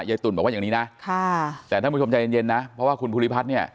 ตุ๋นบอกว่าอย่างนี้นะค่ะแต่ท่านผู้ชมใจเย็นเย็นนะเพราะว่าคุณภูริพัฒน์เนี่ย